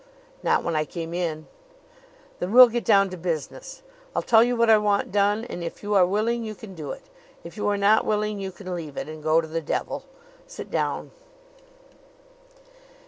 "Not when I came in." "Then we'll get down to business. I'll tell you what I want done, and if you are willing you can do it; if you are not willing you can leave it and go to the devil! Sit down."